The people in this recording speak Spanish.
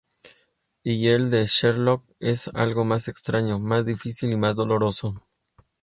Y el de Sherlock es algo más extraño, más difícil y más doloroso.